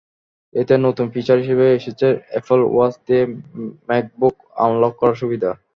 এতে নতুন ফিচার হিসেবে এসেছে অ্যাপল ওয়াচ দিয়ে ম্যাকবুক আনলক করার সুবিধা।